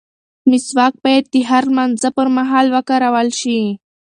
مسواک باید د هر لمانځه پر مهال وکارول شي.